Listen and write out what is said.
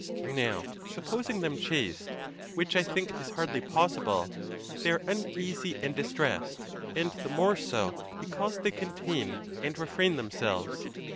Now, supposing them chaste, which I think is hardly pos sible, they are uneasy and distressed, and the more so be cause they contain and refrain themselves.